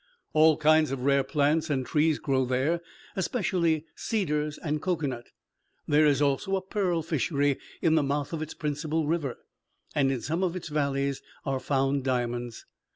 All kinds of rare plants and trees grow there, especially cedars and cocoanut. There is also a pearl fishery in the mouth of its principal river; and in some of its valleys are found diamonds.